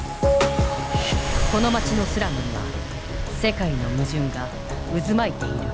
この街のスラムには世界の矛盾が渦巻いている。